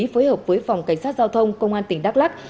phối hợp với phòng cảnh sát giao thông công an tỉnh đắk lắc